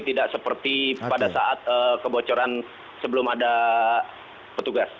tidak seperti pada saat kebocoran sebelum ada petugas